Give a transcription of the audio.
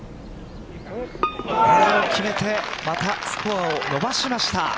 これを決めてまたスコアを伸ばしました。